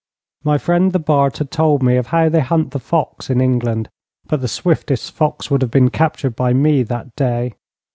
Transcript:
My friend the Bart had told me of how they hunt the fox in England, but the swiftest fox would have been captured by me that day.